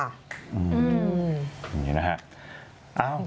อื้มอันนี้นะฮะ